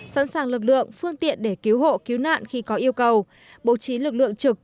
sẵn sàng lực lượng phương tiện để cứu hộ cứu nạn khi có yêu cầu bố trí lực lượng trực